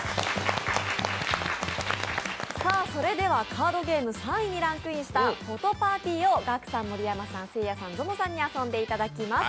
カードゲーム３位にランクインした「フォト・パーティ」をガクさん、盛山さん、ぞのさんに遊んでいただきます。